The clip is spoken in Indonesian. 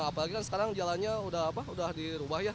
apalagi kan sekarang jalannya udah dirubah ya